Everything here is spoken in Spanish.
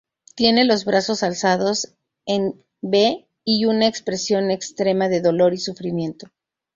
Tiene los brazos alzados en V y una expresión extrema de dolor y sufrimiento.